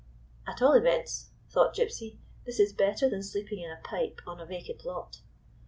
"At all events," thought Gypsy, " this is better than sleeping in a pipe on a vacant lot."